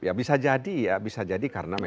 ya bisa jadi ya bisa jadi karena memang